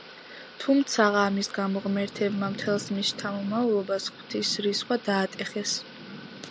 თუმცაღა, ამის გამო ღმერთებმა მთელს მის შთამომავლობას ღვთის რისხვა დაატეხეს.